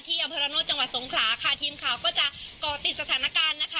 อำเภอระโนธจังหวัดสงขลาค่ะทีมข่าวก็จะก่อติดสถานการณ์นะคะ